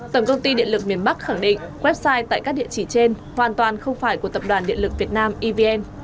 tổng công ty điện lực miền bắc khẳng định website tại các địa chỉ trên hoàn toàn không phải của tập đoàn điện lực việt nam evn